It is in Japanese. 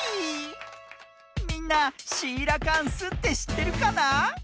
みんなシーラカンスってしってるかな？